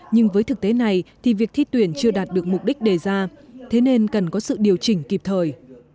nhưng với thực tế này thì việc thi tuyển chưa đạt được mục đích đề ra thế nên cần có sự điều chỉnh kịp thời